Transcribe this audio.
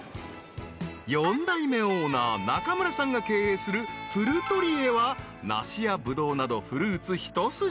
［四代目オーナー中村さんが経営するフルトリエは梨やブドウなどフルーツ一筋］